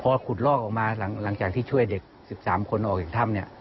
พอขุดลอกออกมาหลังจากที่ช่วยเด็ก๑๓คนออกจากถ้ำเนี่ย